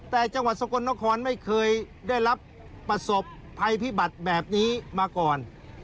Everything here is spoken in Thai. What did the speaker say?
แต่จังหวัดสกลนครไม่เคยได้รับประสบภัยพิบัติแบบนี้มาก่อน